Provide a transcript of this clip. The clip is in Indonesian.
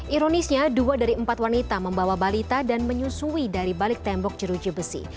ironisnya dua dari empat wanita membawa balita dan menyusui dari balik tembok jeruji besi